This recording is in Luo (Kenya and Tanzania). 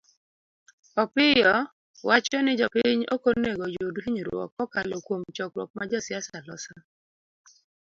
Opiyio wacho ni jopiny ok onego oyud hinyruok kokalo kuom chokruok ma josiasa loso.